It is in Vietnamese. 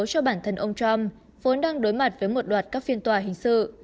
cho bản thân ông trump vốn đang đối mặt với một loạt các phiên tòa hình sự